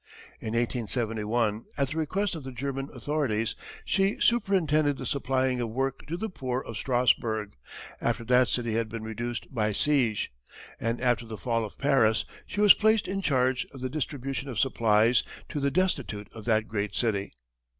In 1871, at the request of the German authorities, she superintended the supplying of work to the poor of Strasburg, after that city had been reduced by siege; and after the fall of Paris, she was placed in charge of the distribution of supplies to the destitute of that great city.